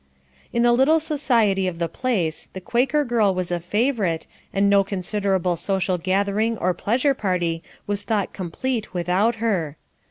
In the little society of the place, the Quaker girl was a favorite, and no considerable social gathering or pleasure party was thought complete without her.